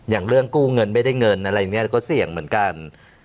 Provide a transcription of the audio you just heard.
อย่างเรื่องกู้เงินไม่ได้เงินอะไรอย่างนี้ก็เสี่ยงเหมือนกัน